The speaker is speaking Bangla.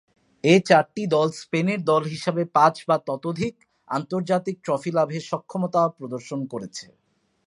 এ চারটি দল স্পেনের দল হিসেবে পাঁচ বা ততোধিক আন্তর্জাতিক ট্রফি লাভে সক্ষমতা প্রদর্শন করেছে।